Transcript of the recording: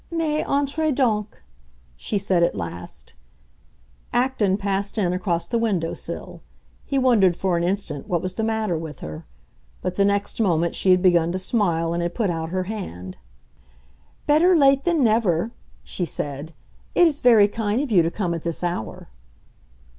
"Mais entrez donc!" she said at last. Acton passed in across the window sill; he wondered, for an instant, what was the matter with her. But the next moment she had begun to smile and had put out her hand. "Better late than never," she said. "It is very kind of you to come at this hour."